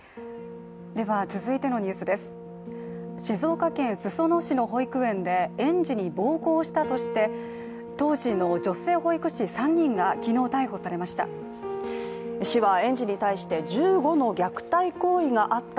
静岡県裾野市の保育園で園児に暴行したとして当時の女性保育士３人が昨日逮捕されました。